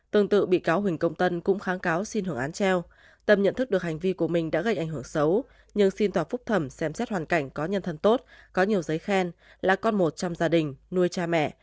tương tự bị cáo huỳnh công tân cũng kháng cáo xin hưởng án treo tâm nhận thức được hành vi của mình đã gây ảnh hưởng xấu nhưng xin tòa phúc thẩm xem xét hoàn cảnh có nhân thân tốt có nhiều giấy khen là con một trong gia đình nuôi cha mẹ